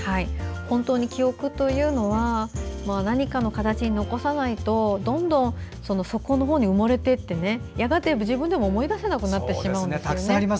本当に記憶というのは何かの形に残さないとどんどん底の方に埋もれていってやがて自分でも思い出せなくなってしまうんですよね。